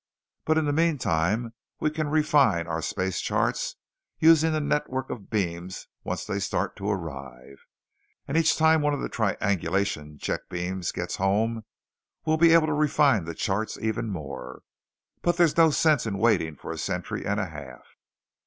But in the meantime we can refine our space charts using the network of beams once they start to arrive. And each time one of the triangulation check beams gets home, we'll be able to refine the charts even more. But there's no sense in waiting for a century and a half."